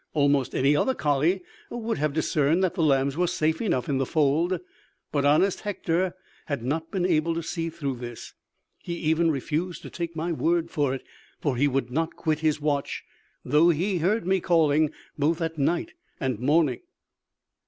Almost any other colley would have discerned that the lambs were safe enough in the fold, but honest Hector had not been able to see through this. He even refused to take my word for it; for he would not quit his watch, though he heard me calling both at night and morning.